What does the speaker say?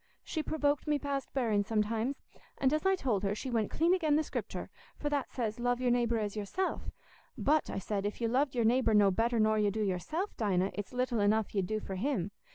She provoked me past bearing sometimes; and, as I told her, she went clean again' the Scriptur', for that says, 'Love your neighbour as yourself'; 'but,' I said, 'if you loved your neighbour no better nor you do yourself, Dinah, it's little enough you'd do for him.